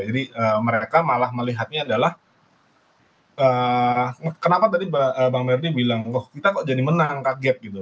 jadi mereka malah melihatnya adalah kenapa tadi bang merdi bilang kita kok jadi menang kaget gitu